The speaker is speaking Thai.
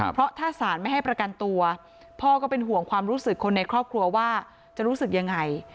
เพราะถ้าศาลไม่ให้ประกันตัวพ่อก็เป็นห่วงความรู้สึกคนในครอบครัวว่าจะรู้สึกยังไง